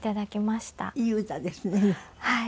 はい。